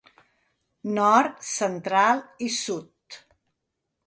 Nord, Central i Sud.